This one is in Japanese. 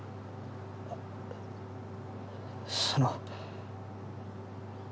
その。